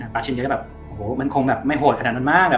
ชินก็จะแบบโอ้โหมันคงแบบไม่โหดขนาดนั้นมาก